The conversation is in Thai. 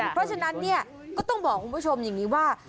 เพราะฉะนั้นเนี่ยก็ต้องบอกคุณผู้ชมอย่างนี้ว่า